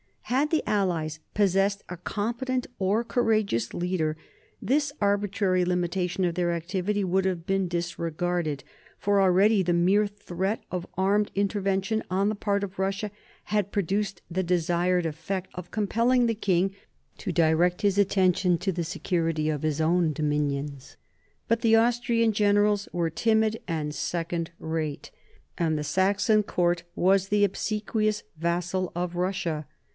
Had the allies possessed a com petent or courageous leader, this arbitrary limitation of their activity would have been disregarded; for already the mere threat of armed intervention on the part of Eussia had produced the desired effect of compelling the king to direct his attention to the security of his own dominions. But the Austrian generals were timid and second rate, and the Saxon 1743 45 WAR OF SUCCESSION 45 court was the obsequious vassal of Russia.